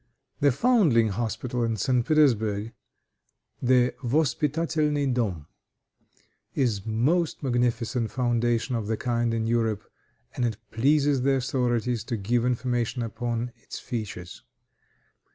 The Foundling Hospital at St. Petersburg, the Wospitatelnoi Dom, is the most magnificent foundation of the kind in Europe, and it pleases the authorities to give information upon its features.